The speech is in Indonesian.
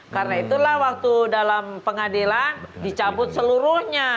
karena itulah waktu dalam pengadilan dicabut seluruhnya